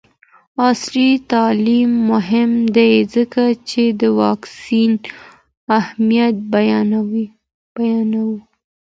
عصري تعلیم مهم دی ځکه چې د واکسین اهمیت بیانوي.